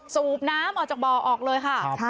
สูบน้ำออกจากบ่อออกเลยค่ะ